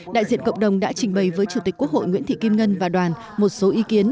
đại diện cộng đồng đã trình bày với chủ tịch quốc hội nguyễn thị kim ngân và đoàn một số ý kiến